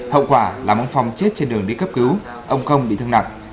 hậu quả là ông phong chết trên đường đi cấp cứu ông không bị thương nặng